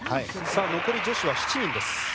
残り女子は７人です。